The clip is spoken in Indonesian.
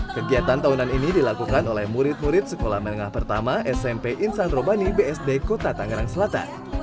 kegiatan tahunan ini dilakukan oleh murid murid sekolah menengah pertama smp insan robani bsd kota tangerang selatan